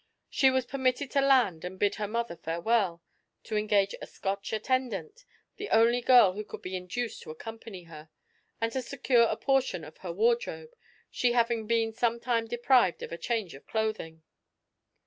She was permitted to land and bid her mother farewell, to engage a Scotch attendant, the only girl who could be induced to accompany her, and to secure a portion of her wardrobe, she having been some time deprived of a change of clothing.